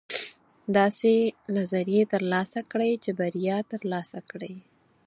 داسې نظریې ترلاسه کړئ چې بریا ترلاسه کړئ.